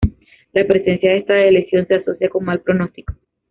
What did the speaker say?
La presencia de esta deleción se asocia con mal pronóstico.